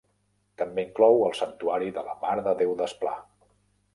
També inclou el santuari de la Mare de Déu d'Esplà.